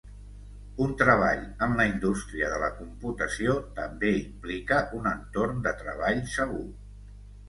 Un treball en la indústria de la computació també implica un entorn de treball segur.